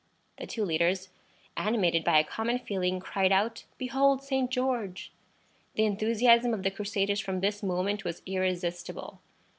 The two leaders, animated by a common feeling, cried out, "Behold St. George!" The enthusiasm of the Crusaders from this moment was irresistible.